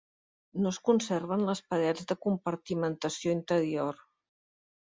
No es conserven les parets de compartimentació interior.